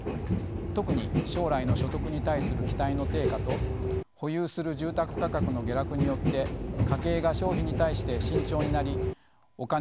特に将来の所得に対する期待の低下と保有する住宅価格の下落によって家計が消費に対して慎重になりお金をため込んでいます。